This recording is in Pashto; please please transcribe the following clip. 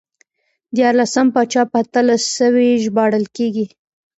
دیارلسم پاچا په اتلس سوی ژباړل کېږي.